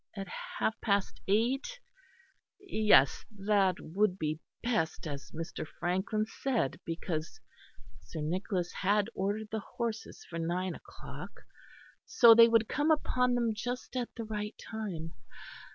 At half past eight; yes, that would be best as Mr. Frankland said, because Sir Nicholas had ordered the horses for nine o'clock; so they would come upon them just at the right time.